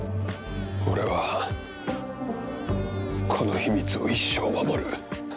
俺はこの秘密を一生守る。